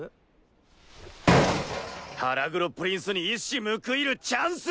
腹黒プリンスに一矢報いるチャンス！